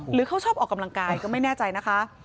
หรือเขาชอบออกกำลังกายก็ไม่แน่ใจนะคะ